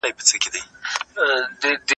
فکري فقر تر مادي فقر ډېر خطرناک دی.